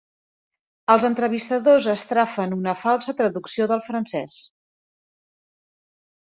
Els entrevistadors estrafan una falsa traducció del francès.